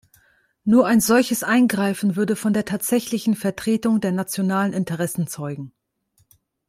Nur ein solches Eingreifen würde von der tatsächlichen Vertretung der nationalen Interessen zeugen.